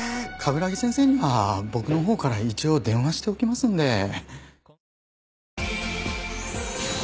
鏑木先生には僕の方から一応電話しておきますんで。